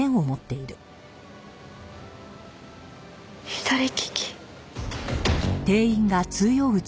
左利き。